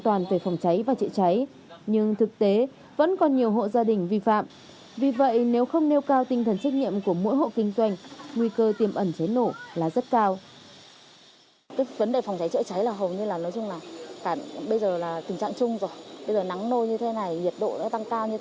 tuy nhiên hiện tại việc triển khai nghị định này vẫn còn một số những khó khăn bất cập